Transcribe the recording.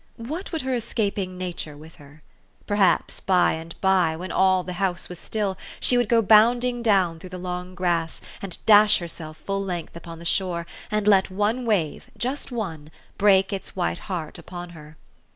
What would her escaping nature with her ? Perhaps by and b3^, when all the house was still, she would go bounding down through the long grass, and dash herself full length upon the shore, and let one wave just one break its white heart upon her.